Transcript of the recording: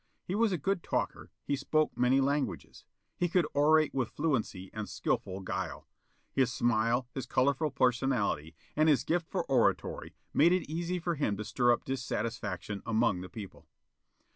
He was a good talker; he spoke many languages; he could orate with fluency and skilful guile. His smile, his colorful personality, and his gift for oratory, made it easy for him to stir up dissatisfaction among the people.